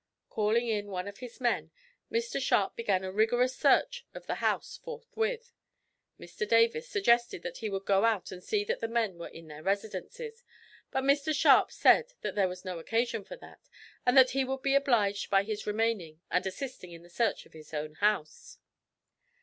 Calling in one of his men, Mr Sharp began a rigorous search of the house forthwith. Mr Davis suggested that he would go out and see that the men were in their residences; but Mr Sharp said that there was no occasion for that, and that he would be obliged by his remaining and assisting in the search of his own house.